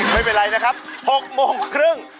ไม่เป็นไรนะครับ๖๓๐น